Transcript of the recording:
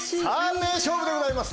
名勝負でございます。